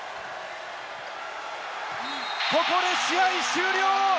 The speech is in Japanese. ここで試合終了。